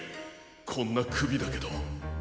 こんなくびだけど。